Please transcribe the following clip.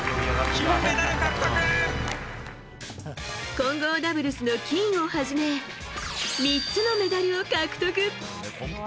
混合ダブルスの金をはじめ３つのメダルを獲得。